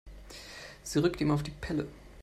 Sie rückt ihm auf die Pelle.